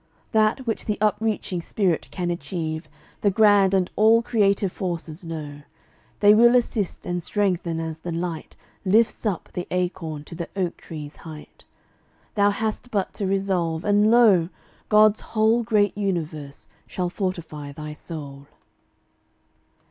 That which the upreaching spirit can achieve The grand and all creative forces know; They will assist and strengthen as the light Lifts up the acorn to the oak tree's height. Thou hast but to resolve, and lo! God's whole Great universe shall fortify thy soul.